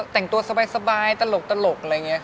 แต่งตัวสบายตลกอะไรอย่างนี้